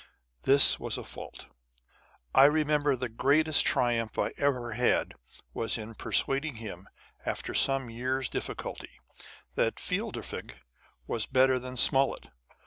This was a fault. I remember the greatest triumph I ever had was in persuading him, after some years' diffi culty, that Fielding was better than Smollett.